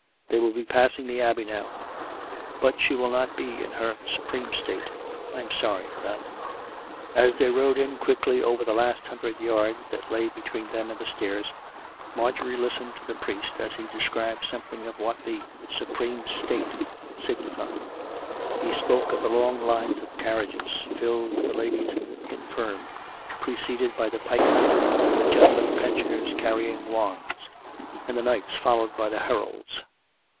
They will be passing the Abbey now. But she will not be in her supreme state; I am sorry for that." As they rowed in quickly over the last hundred yards that lay between them and the stairs, Marjorie listened to the priest as he described something of what the " supreme state " signified. He spoke of the long lines of carriages, filled with the ladies and the infirm, preceded by the pikemen, and the gentlemen pensioners carrying wands, and the knights followed by the heralds.